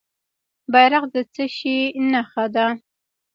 بیرغ د څه شي نښه ده؟